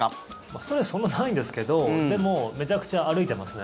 ストレスそんなないんですけどでもめちゃくちゃ歩いてますね。